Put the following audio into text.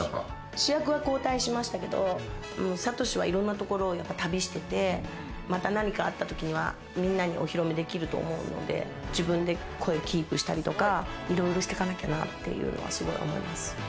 主役は交代しましたけれども、サトシはいろんなところを旅してて、また何かあったときにはみんなにお披露目できると思うので、自分で声キープしたりとか、いろいろしていかなきゃなっていうのはすごい思います。